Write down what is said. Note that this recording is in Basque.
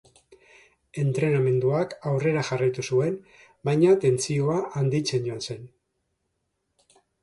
Entrenamenduak aurrera jarraitu zuen, baina tentsioa handitzen joan zen.